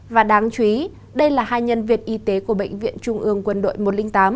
và đáng chú ý đây là hai nhân viên y tế của bệnh viện trung ương quân đội một trăm linh tám